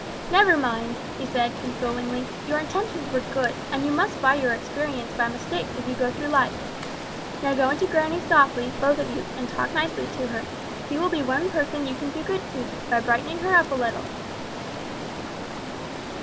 "Never mind," she said, consolingly; "your intentions were good, and you must buy your experience by mistakes as you go through life. Now go into granny softly, both of you, and talk nicely to her. She will be one person you can do good to, by brightening her up a little."